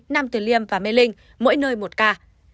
nam tử liêm và mê linh mỗi nơi một ca